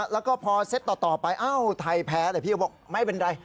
แล้วก็พอเซตต่อไปเอ้าไทยแพ้เลยพี่ก็บอกไม่เป็นไร